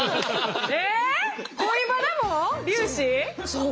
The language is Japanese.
そう。